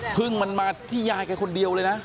พึ่งมันมาที่ยายแกคนเดียวเลยนะ